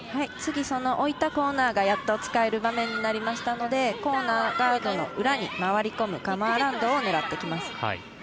次置いたコーナーがやっと使える場面になりましたのでコーナーガードの裏に回り込むカムアラウンドを狙ってきます。